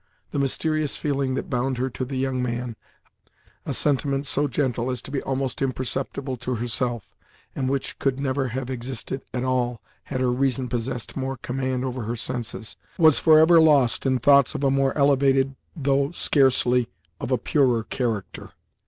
The mysterious feeling that bound her to the young man, a sentiment so gentle as to be almost imperceptible to herself, and which could never have existed at all, had her reason possessed more command over her senses, was forever lost in thoughts of a more elevated, though scarcely of a purer character.